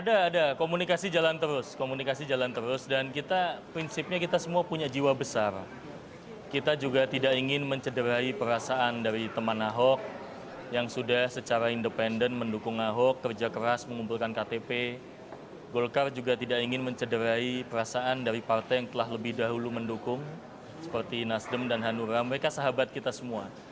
ada komunikasi jalan terus dan kita prinsipnya kita semua punya jiwa besar kita juga tidak ingin mencederai perasaan dari teman ahok yang sudah secara independen mendukung ahok kerja keras mengumpulkan ktp golkar juga tidak ingin mencederai perasaan dari partai yang telah lebih dahulu mendukung seperti nasdem dan hanura mereka sahabat kita semua